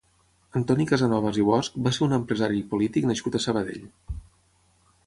Antoni Casanovas i Bosch va ser un empresari i polític nascut a Sabadell.